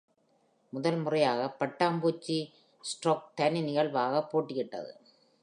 முதல் முறையாக பட்டாம்பூச்சி ஸ்ட்ரொக் தனி நிகழ்வாக போட்டியிட்டது.